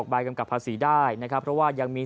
จำนวนนักท่องเที่ยวที่เดินทางมาพักผ่อนเพิ่มขึ้นในปีนี้